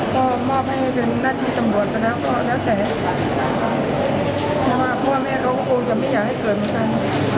ก็มอบให้เป็นหน้าที่ตำรวจไปแล้วก็แล้วแต่เพราะว่าพ่อแม่เขาก็คงจะไม่อยากให้เกิดเหมือนกัน